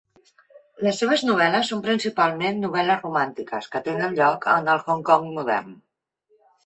Les seves novel·les són principalment novel·les romàntiques que tenen lloc en el Hong Kong modern.